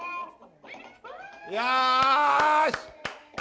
よし！